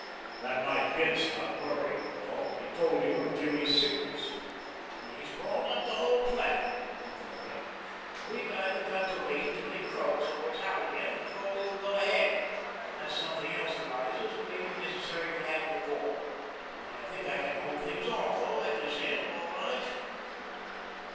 That night Bince got Murray over the phone. He told him of Jimmy's sickness. "He's balled up the whole plan," he complained. "We've either got to wait until he croaks or is out again before we can go ahead, unless something else arises to make it necessary to act before. I think I can hold things off, though, at this end, all right."